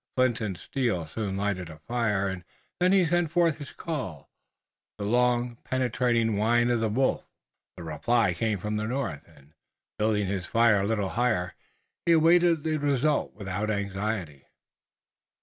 Flint and steel soon lighted a fire, and then he sent forth his call, the long penetrating whine of the wolf. The reply came from the north, and, building his fire a little higher, he awaited the result, without anxiety.